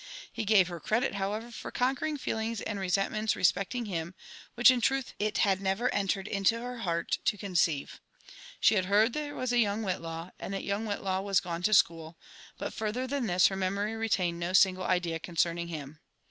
He gave her credit, however, for conquering feelings and resentments respecting him, \»hich in truth it had never entered into her hearl to conceive. She .had heard there was a young Whit law, and thai young Whiilaw was gone to school, but, further than this, her memory retained no single idea concerning him.